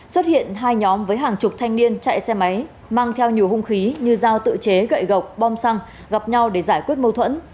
xuất hiện hai nhóm với hàng chục thanh niên chạy xe máy mang theo nhiều hung khí như dao tự chế gậy gộc bom xăng gặp nhau để giải quyết mâu thuẫn